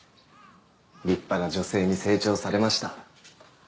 立派な女性に成長されました。